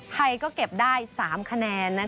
ไทยก็เก็บได้๓คะแนน